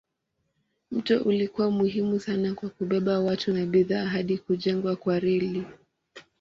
Mto ulikuwa muhimu sana kwa kubeba watu na bidhaa hadi kujengwa kwa reli.